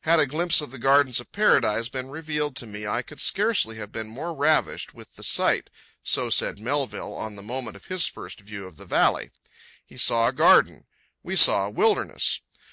"Had a glimpse of the gardens of paradise been revealed to me I could scarcely have been more ravished with the sight"—so said Melville on the moment of his first view of the valley. He saw a garden. We saw a wilderness.